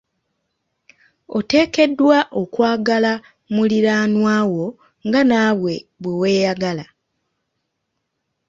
Oteekeddwa okwagala muliraanwa wo nga naawe bwe weeyagala.